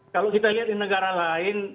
kalau kita lihat di negara lain